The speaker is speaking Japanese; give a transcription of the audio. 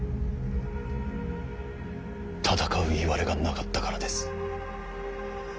戦ういわれがなかったからです。